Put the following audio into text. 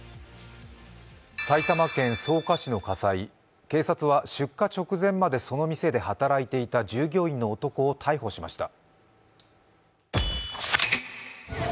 埼玉県草加市の火災、警察は出火直前までその店で働いていた従業員の男を逮捕しました。